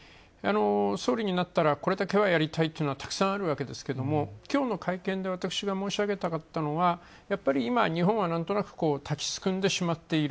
総理になったらこれだけはやりたいというのはたくさんあるわけですけれども、きょうの会見で私が申し上げたかったのは、やっぱり今、日本はなんとなく立ちすくんでしまっている。